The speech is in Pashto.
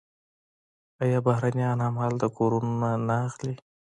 آیا بهرنیان هم هلته کورونه نه اخلي؟